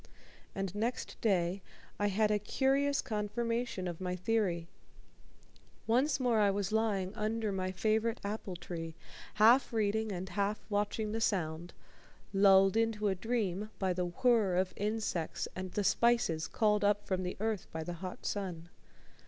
And next day I had a curious confirmation of my theory. Once more I was lying under my favorite apple tree, half reading and half watching the Sound, lulled into a dream by the whir of insects and the spices called up from the earth by the hot sun.